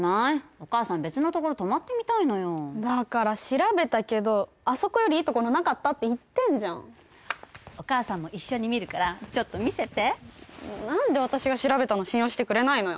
お母さん別のところ泊まってみたいのよだから調べたけどあそこよりいいところなかったって言ってんじゃんお母さんも一緒に見るからちょっと見せて何で私が調べたの信用してくれないのよ